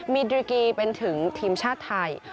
ดริกีเป็นถึงทีมชาติไทย